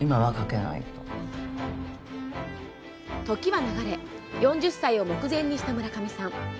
時は流れ４０歳を目前にした村上さん。